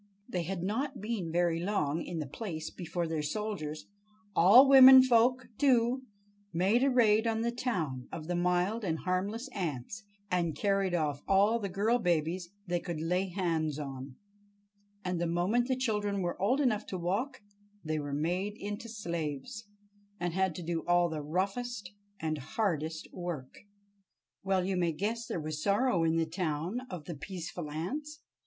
They had not been very long in the place before their soldiers—all womenfolk, too!—made a raid on the town of the mild and harmless ants, and carried off all the girl babies they could lay hands on. And the moment the children were old enough to work, they were made into slaves, and had to do all the roughest and hardest work. Well, you may guess there was sorrow in the town of the peaceful ants.